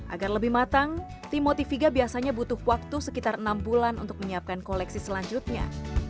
agar lebih matang tim motiviga biasanya butuh waktu sekitar enam bulan untuk menyiapkan koleksi selanjutnya